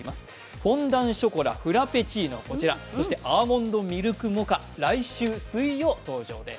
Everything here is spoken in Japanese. フォンダンショコラフラペチーノ、こちら、アーモンドミルクモカ、来週水曜登場です。